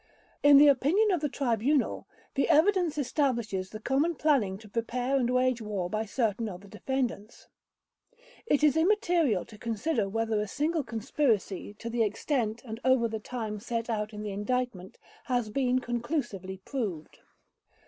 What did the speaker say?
In the opinion of the Tribunal, the evidence establishes the common planning to prepare and wage war by certain of the defendants. It is immaterial to consider whether a single conspiracy to the extent and over the time set out in the Indictment has been conclusively proved.